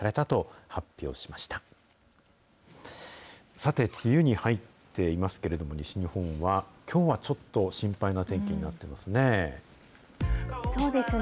さて、梅雨に入っていますけれども、西日本はきょうはちょっと心配な天気になっていますね。